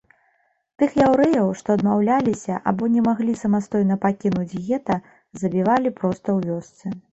Тых яўрэяў, што адмаўляліся або не маглі самастойна пакінуць гета, забівалі проста ў вёсцы.